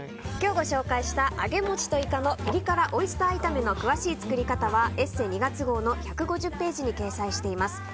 今日ご紹介した揚げもちとイカのピリ辛オイスター炒めの詳しい作り方は「ＥＳＳＥ」２月号の１５０ページに掲載しています。